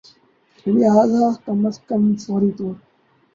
لہذا اسے کم از کم فوری طور